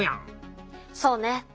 そうね。